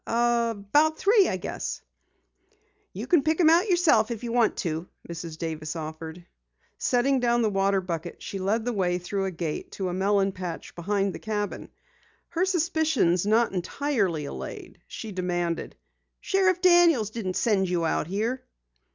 "About three, I guess." "You can pick 'em out yourself if you want to," Mrs. Davis offered. Setting down the water bucket, she led the way through a gate to a melon patch behind the cabin. Her suspicions not entirely allayed, she demanded: "Sheriff Daniels didn't send you out here?"